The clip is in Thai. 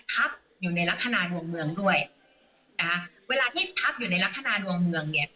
ทับอยู่ในลักษณะดวงเมืองด้วยนะคะเวลาที่ทับอยู่ในลักษณะดวงเมืองเนี่ย